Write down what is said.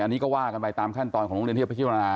อันนี้ก็ว่ากันไปตามขั้นตอนของโรงเรียนเทียบพฤศจิกษ์ธรรมนา